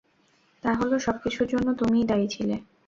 তাহল সবকিছুর জন্য তুমিই দায়ী ছিলে।